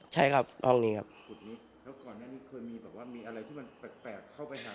ใช่ครับห้องนี้ครับแล้วก่อนนี้เคยมีแบบว่ามีอะไรที่มันแปลกแปลกเข้าไปหา